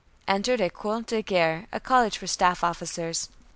Entered École de Guerre, a college for staff officers.